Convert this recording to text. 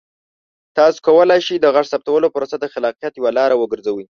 تاسو کولی شئ د غږ ثبتولو پروسه د خلاقیت یوه لاره وګرځوئ.